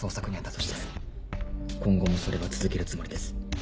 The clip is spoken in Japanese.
そして今後もそれは続けるつもりです。